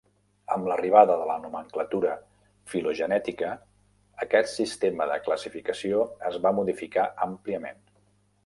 Amb l'arribada de la nomenclatura filogenètica, aquest sistema de classificació es va modificar àmpliament.